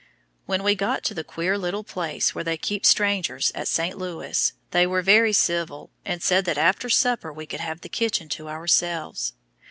When we got to the queer little place where they "keep strangers" at St. Louis, they were very civil, and said that after supper we could have the kitchen to ourselves.